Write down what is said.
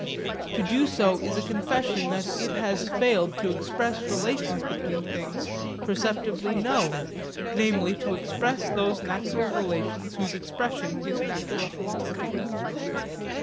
To do so is a confession that it has failed to express relations between things perceptively known, namely to express those natural relations whose expression is natural philosophy.